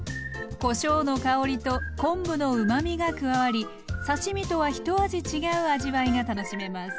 こしょうの香りと昆布のうまみが加わり刺身とはひと味違う味わいが楽しめます。